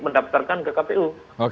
mendaftarkan ke kpu